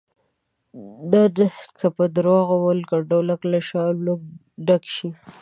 نن که په درواغو وي کنډولک له شلومبو ډک شي.